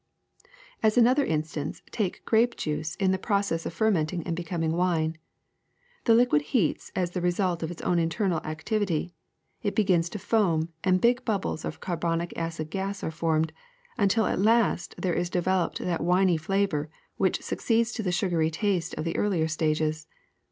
^*As another instance take grape juice in the proc ess of fermenting and becoming wine. The liquid heats as the result of its own internal activity; it begins to foam, and big bubbles of carbonic acid gas are formed, until at last there is developed that winy flavor which succeeds to the sugary taste of the earlier stages.